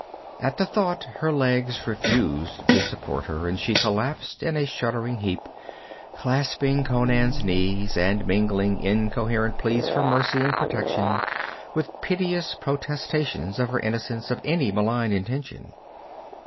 At the thought her legs refused to support her, and she collapsed in a shuddering heap, clasping Conan's knees and mingling incoherent pleas for mercy and protection with piteous protestations of her innocence of any malign intention.